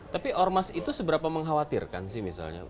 tapi ormas itu seberapa mengkhawatirkan sih misalnya